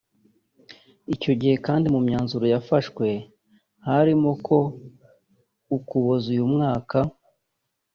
Icyo gihe kandi mu myanzuro yafashwe harimo ko mu Ukuboza uyu mwaka